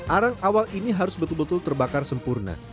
arang awal ini harus betul betul terbakar sempurna